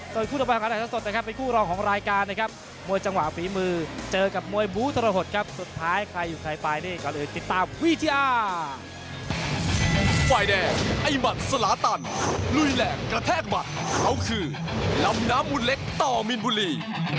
ลุยแหล่งกระแทกบัตรเขาคือลำน้ำมุนเล็กต่อมินบุรี